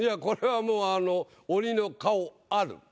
これはもう「鬼の顔ある」